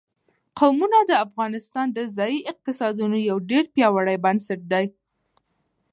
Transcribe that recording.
قومونه د افغانستان د ځایي اقتصادونو یو ډېر پیاوړی بنسټ دی.